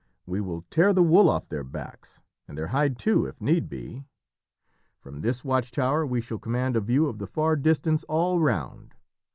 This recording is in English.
We will tear the wool off their backs, and their hide too, if need be. From this watch tower we shall command a view of the far distance all round.